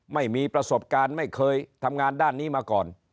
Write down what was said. ไม่มีประสบการณ์ไม่เคยทำงานด้านนี้มาก่อน